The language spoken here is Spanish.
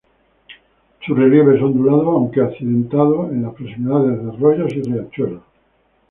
Su relieve es ondulado aunque accidentado en las proximidades de arroyos y riachuelos.